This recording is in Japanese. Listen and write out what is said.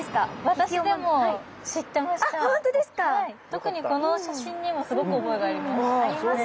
特にこの写真にもすごく覚えがあります。